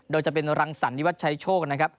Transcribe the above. โดยจะเป็นรังสรรนิวัชชัยโชคนะครับ